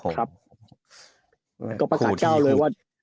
ก็ประสาทก้าวเลยว่า